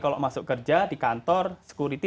kalau masuk kerja di kantor security